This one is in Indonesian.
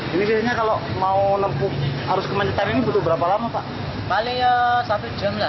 sebenarnya kalau mau nempuh arus kemacetan ini butuh berapa lama pak